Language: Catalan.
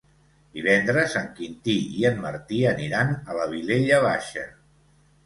Divendres en Quintí i en Martí aniran a la Vilella Baixa.